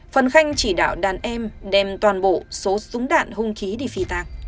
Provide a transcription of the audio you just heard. phần khanh chỉ đạo đàn em đem toàn bộ số súng đạn hung khí